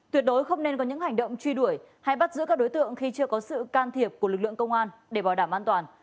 tuyệt đối không nên có những hành động truy đuổi hay bắt giữ các đối tượng khi chưa có sự can thiệp của lực lượng công an để bảo đảm an toàn